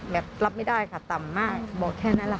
แบบรับไม่ได้ค่ะต่ำมากบอกแค่นั้นแหละค่ะ